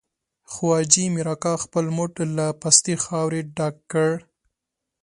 خو حاجي مير اکا خپل موټ له پستې خاورې ډک کړ.